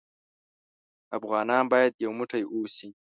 افغانان بايد يو موټى اوسې.